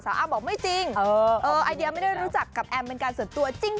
อ้ำบอกไม่จริงไอเดียไม่ได้รู้จักกับแอมเป็นการส่วนตัวจริง